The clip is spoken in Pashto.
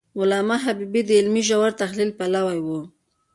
علامه حبيبي د علمي ژور تحلیل پلوی و.